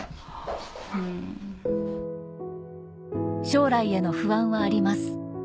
将来への不安はあります